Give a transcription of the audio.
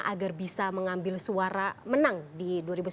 agar bisa mengambil suara menang di dua ribu sembilan belas